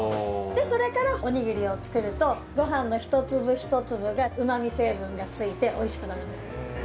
それからおにぎりを作ると、ごはんの一粒一粒が、うまみ成分がついておいしくなるんです。